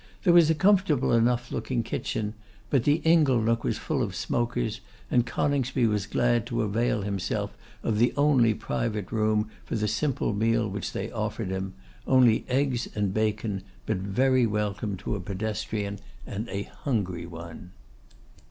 There was a comfortable enough looking kitchen; but the ingle nook was full of smokers, and Coningsby was glad to avail himself of the only private room for the simple meal which they offered him, only eggs and bacon; but very welcome to a pedestrian, and a hungry one.